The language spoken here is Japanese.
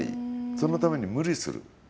そのために無理する。